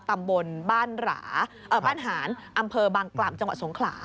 ตำบลบ้านหารอำเภอบางกล่ามจังหวัดสงขลา